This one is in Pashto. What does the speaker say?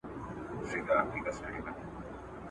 کشپ نه لري داهسي کمالونه !.